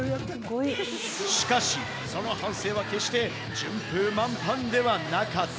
しかしその半生は決して順風満帆ではなかった。